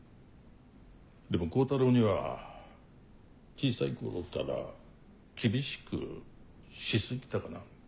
でも光太郎には小さい頃から厳しくし過ぎたかな。